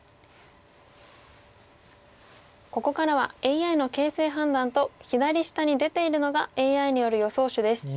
ここからはＡＩの形勢判断と左下に出ているのがＡＩによる予想手です。